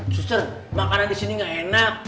justru makanan di sini nggak enak